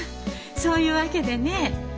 そういうわけでねえ